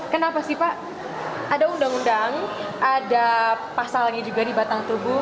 kenapa sih pak ada undang undang ada pasalnya juga di batang tubuh